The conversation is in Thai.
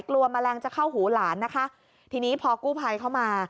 แมลงจะเข้าหูหลานนะคะทีนี้พอกู้ภัยเข้ามา